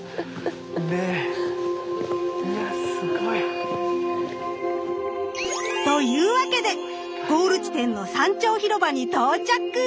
ねぇいやすごい。というわけでゴール地点の山頂広場に到着！